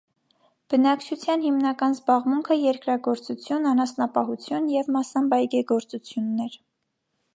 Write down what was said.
Բնակչության հիմնական զբաղմունքը երկրազործություն, անասնապահություն և մասամբ այգեգործությունն էր։